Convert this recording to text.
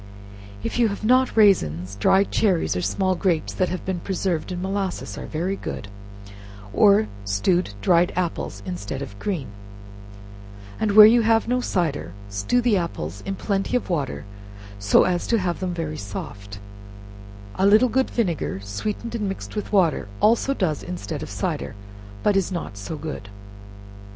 If you have not raisins, dried cherries or small grapes, that have been preserved in molasses, are very good, or stewed dried apples, instead of green; and where you have no cider, stew the apples in plenty of water, so as to have them very soft; a little good vinegar, sweetened and mixed with water, also does instead of cider, but is not so good.